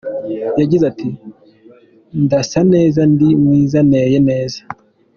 Yagize ati “Ndasa neza, ndi mwiza, nteye neza.